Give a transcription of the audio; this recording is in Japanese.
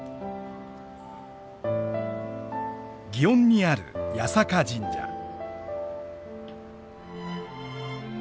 園にある八坂神社。